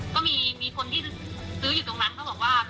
ก็มีคนซื้ออยู่ตรงหลังเขาก็บอกว่า